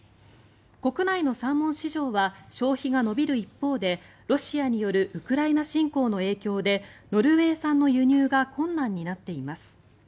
国内のサーモン市場は消費が伸びる一方でロシアによるウクライナ侵攻の影響でノルウェー産の輸入が困難になっています。